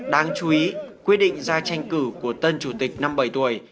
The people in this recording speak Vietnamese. đáng chú ý quyết định ra tranh cử của tân chủ tịch năm bảy tuổi